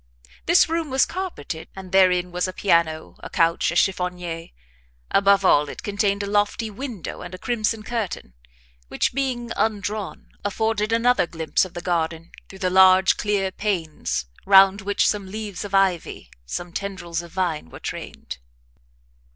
This room was carpeted, and therein was a piano, a couch, a chiffonniere above all, it contained a lofty window with a crimson curtain, which, being undrawn, afforded another glimpse of the garden, through the large, clear panes, round which some leaves of ivy, some tendrils of vine were trained.